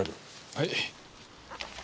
はい。